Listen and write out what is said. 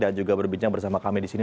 dan juga berbincang bersama kami di sini